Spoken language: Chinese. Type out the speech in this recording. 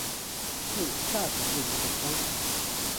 是下辖的一个乡。